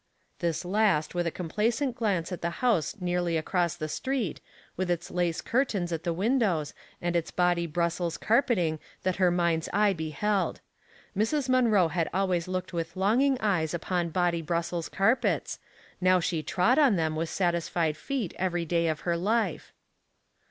'' This last with a complacent glance at the house nearly across the street, with its lace curtains at the windows, and its body Brussels carpeting that her mind's eye beheld. Mrs. Munroe had always looked with longing eyes upon body Brussels carpets, now she trod on them with satisfied feet, every day of her life.